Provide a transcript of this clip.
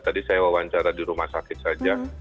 tadi saya wawancara di rumah sakit saja